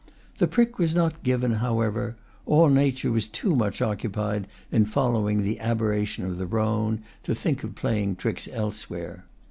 The prick was not given, however; all nature was too much occupied in following the aberration of the Rhone to think of playing tricks elsewhere.